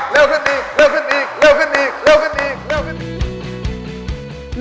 เร็วขึ้นอีกเร็วขึ้นอีกเร็วขึ้นอีกเร็วขึ้นอีก